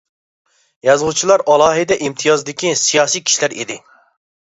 يازغۇچىلار ئالاھىدە ئىمتىيازدىكى سىياسىي كىشىلەر ئىدى.